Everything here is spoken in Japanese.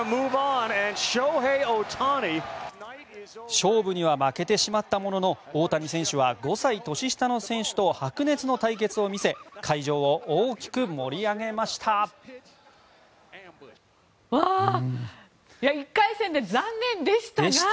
勝負には負けてしまったものの大谷選手は５歳年下の選手と白熱の対決を見せ会場を大きく盛り上げました。